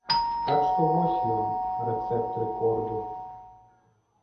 Так што вось ён, рэцэпт рэкорду.